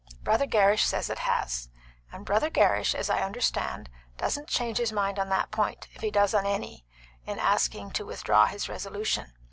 Brother Gerrish says it has, and Brother Gerrish, as I understand, doesn't change his mind on that point, if he does on any, in asking to withdraw his resolution.